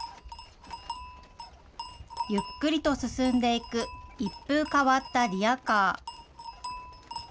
ゆっくりと進んでいく一風変わったリヤカー。